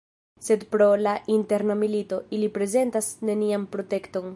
Sed pro la interna milito, ili prezentas nenian protekton.